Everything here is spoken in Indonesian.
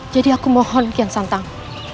jadi aku mohon kian santang